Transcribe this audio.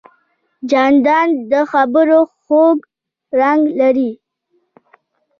جانداد د خبرو خوږ رنګ لري.